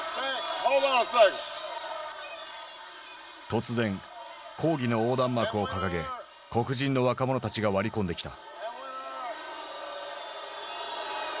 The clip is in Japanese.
突然抗議の横断幕を掲げ黒人の若者たちが割り込んできた。